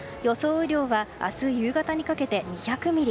雨量は明日夕方にかけて２００ミリ